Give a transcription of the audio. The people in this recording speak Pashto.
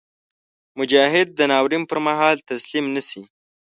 مجاهد د ناورین پر مهال تسلیم نهشي.